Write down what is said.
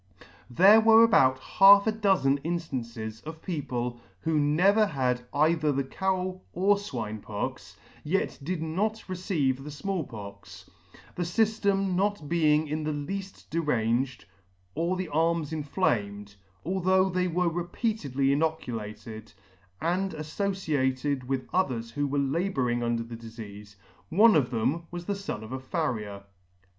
There were about half a dozen inftances of people who never had either the Cow or Swine Pox, yet did not receive the Small Pox, the fyftem not being in the leaft deranged, or the arms inflamed, although they were repeatedly inoculated, and affociated with others who were labouring under the difeafe; one of them was the fon of a farrier.